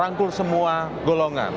rangkul semua golongan